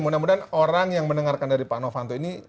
mudah mudahan orang yang mendengarkan dari pak novanto ini